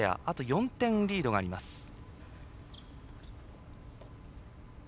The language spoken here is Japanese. あと４点リードがあります。